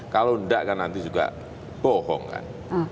kalau enggak kan nanti juga bohong kan